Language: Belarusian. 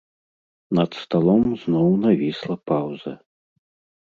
Над сталом зноў навісла паўза.